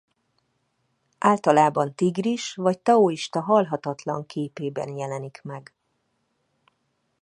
Általában tigris vagy taoista halhatatlan képében jelenik meg.